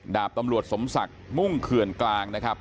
ดาบตำรวจสมศักดิ์มุ่งเขื่อนกลางนะครับ